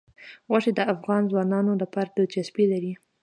غوښې د افغان ځوانانو لپاره دلچسپي لري.